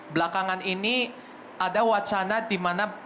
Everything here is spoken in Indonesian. belakangan ini ada wacana di mana